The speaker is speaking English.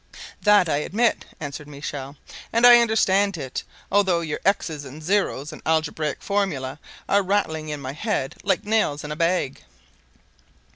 "That I admit," answered Michel; "and I understand it, although your x's and zero's, and algebraic formula, are rattling in my head like nails in a bag."